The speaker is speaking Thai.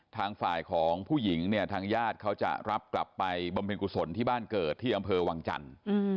ทางฝ่ายของผู้หญิงเนี่ยทางญาติเขาจะรับกลับไปบำเพ็ญกุศลที่บ้านเกิดที่อำเภอวังจันทร์